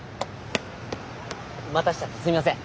待たしちゃってすいません。